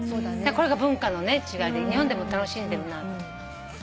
これが文化の違いで日本でも楽しんでるなと。